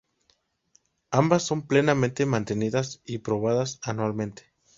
Ambas son plenamente mantenidas y probadas anualmente.